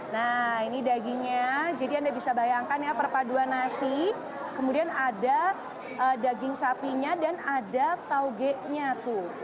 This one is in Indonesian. nah ini dagingnya jadi anda bisa bayangkan ya perpaduan nasi kemudian ada daging sapinya dan ada tauge nya tuh